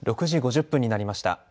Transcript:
６時５０分になりました。